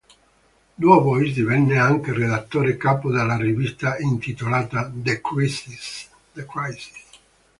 Du Bois divenne anche redattore capo della rivista intitolata "The Crisis".